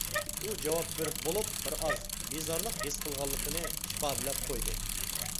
ئۇ جاۋاب بېرىپ بولۇپ بىرئاز بىزارلىق ھېس قىلغانلىقىنى ئىپادىلەپ قويدى.